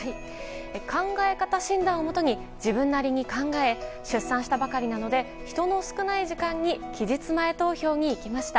考え方診断をもとに自分なりに考え出産したばかりなので人の少ない時間に期日前投票に行きました。